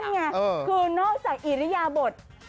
นี่ไงคือนอกจากอิริยาบท